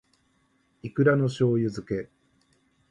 いくらの醬油漬け